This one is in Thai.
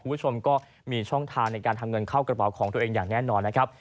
คุณผู้ชมก็มีช่องทางในการทำเงินเข้ากระเป๋าของตัวเองอย่างแน่นอนนะครับ